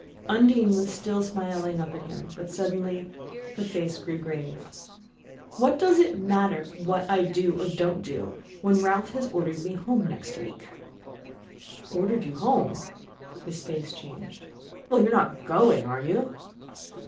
Undine was still smiling up at him; but suddenly her grew grave. "What does it matter what I do or don't do, when Ralph has ordered me home next week?" "Ordered you home?" His face changed. "Well, you're not going, are you?"